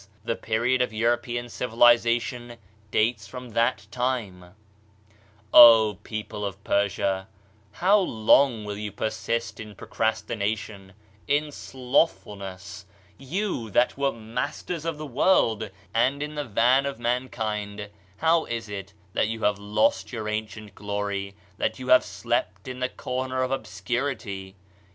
The period of European civiliza tion dates from that time. O people of Persia I How long will you per 103 Digitized by Google MYSTERIOUS FORCES sist in procrastination, in slothfulness? You that were masters of the world and in the van of mankind — how is it that you have lost your an cient glory, that you have slept in the corner of obscurity?